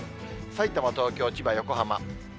さいたま、東京、千葉、横浜。